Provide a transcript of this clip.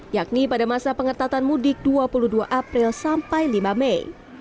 yakni pada masa pengetatan mudik dua puluh dua april sampai lima mei